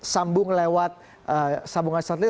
sambung lewat sambungan satelit